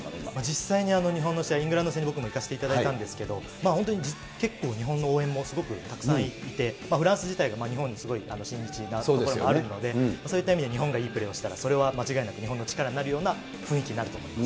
実際に日本の試合、イングランド戦、僕も行かせていただいたんですけれども、本当に結構、日本の応援もすごくたくさんいて、フランス自体が日本にすごい親日なところもあるので、そういった意味で日本がいいプレーをしたら、それは間違いなく日本の力になるような雰囲気になると思います。